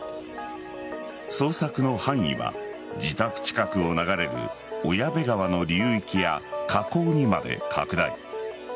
捜索の範囲は、自宅近くを流れる小矢部川の流域や河口にまで拡大。